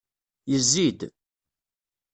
Yezzi-d.